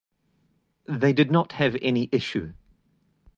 They did not have any issue.